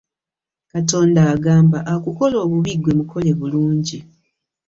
Katonda agamba akukola obubi ggwe mukole bulungi.